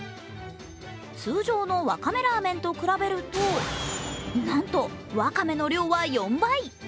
通常のわかめラーメンと比べると、なんとわかめの量は４倍。